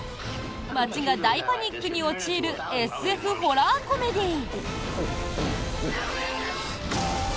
街が大パニックに陥るＳＦホラーコメディー。